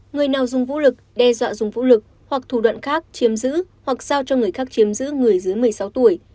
người nào dùng vũ lực đe dọa dùng vũ lực hoặc thủ đoạn khác chiếm giữ hoặc sao cho người khác chiếm giữ người dưới một mươi sáu tuổi